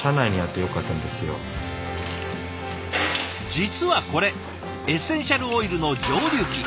実はこれエッセンシャルオイルの蒸留機。